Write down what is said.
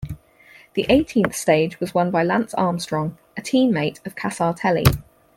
The eighteenth stage was won by Lance Armstrong, a team mate of Casartelli.